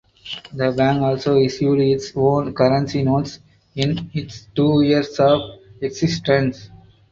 The bank also issued its own currency notes in its two years of existence.